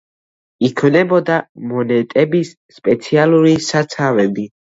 იქმნებოდა მონეტების სპეციალური საცავები.